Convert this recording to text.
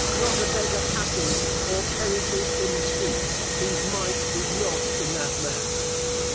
Not a beggar passes, or perishes in the streets, whose mite is not in that mass.